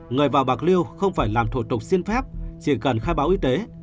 người vào bạc liêu không phải làm thủ tục xin phép chỉ cần khai báo y tế